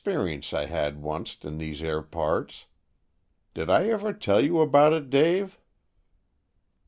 'sperience I had onct in these aire parts. Did I ever tell you about it, Dave?"